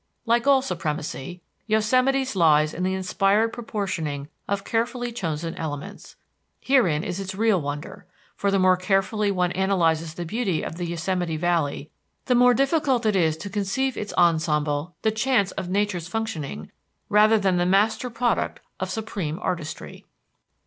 Like all supremacy, Yosemite's lies in the inspired proportioning of carefully chosen elements. Herein is its real wonder, for the more carefully one analyzes the beauty of the Yosemite Valley, the more difficult it is to conceive its ensemble the chance of Nature's functioning rather than the master product of supreme artistry.